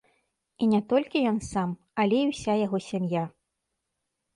І не толькі ён сам, але і ўся яго сям'я.